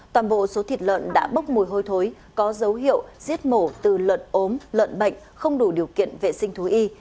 toàn bộ số thịt lợn đã bốc mùi hôi thối có dấu hiệu giết mổ từ lợn ốm lợn bệnh không đủ điều kiện vệ sinh thú y